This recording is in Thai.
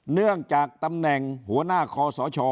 เนื่องจากตำแหน่งหัวหน้าคอสช